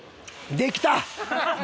できた！